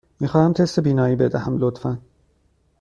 می خواهم تست بینایی بدهم، لطفاً.